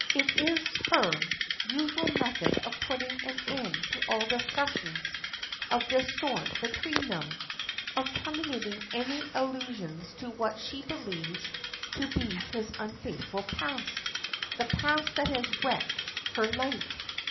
It is her, usual method of putting an end to all discussions of this sort between them of terminating any allusions to what she believes to be his unfaithful past that past that has wrecked her life.